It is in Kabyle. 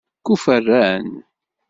Kuferran?